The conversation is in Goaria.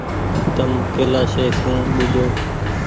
تم ڪيلآشي سون ٻوجو ۔